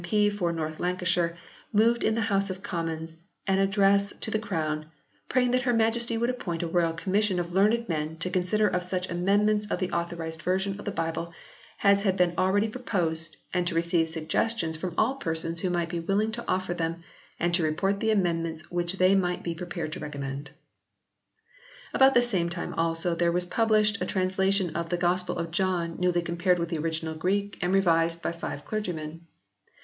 P. for North Lanca shire, moved in the House of Commons an Address to the Crown praying that Her Majesty would appoint a Royal Commission of learned men to consider of such amendments of the Authorised Version of the Bible as had been already proposed, and to receive sugges tions from all persons who might be willing to offer them, and to report the amendments which they might be prepared to recommend. About the same time also there was published a translation of " The Gospel of John newly compared with the original Greek and revised by five clergy men."